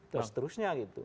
terus terusnya gitu